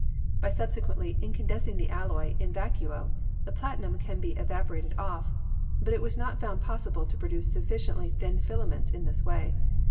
By subsequently incandescing the alloy in vacuo the platinum can be evap orated off, but it was not found possible to produce suffi ciently thin filaments in this way.